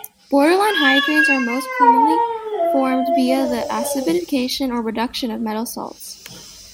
Borderline hydrides are most commonly formed via the acidification or reduction of metal salts.